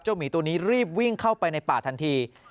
หมีตัวนี้รีบวิ่งเข้าไปในป่าทันที